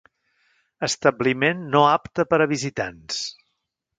Establiment no apte per a visitants.